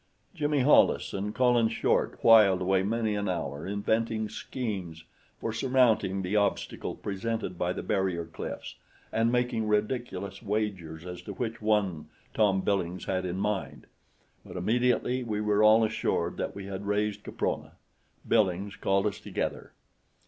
Jimmy Hollis and Colin Short whiled away many an hour inventing schemes for surmounting the obstacle presented by the barrier cliffs, and making ridiculous wagers as to which one Tom Billings had in mind; but immediately we were all assured that we had raised Caprona, Billings called us together.